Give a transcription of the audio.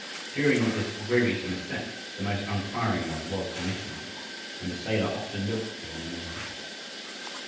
During this wearisome ascent the most untiring one was the missionary; and the sailor often looked at him in amazement.